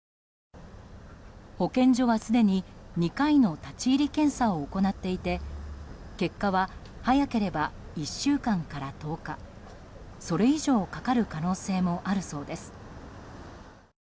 保健所は、すでに２回の立ち入り検査を行っていて結果は、早ければ１週間から１０日それ以上かかる可能性もあるそうです。